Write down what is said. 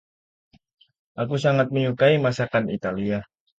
Aku sangat menyukai masakan Italia.